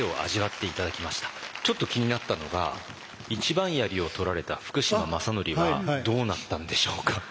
ちょっと気になったのが一番槍をとられた福島正則はどうなったんでしょうか？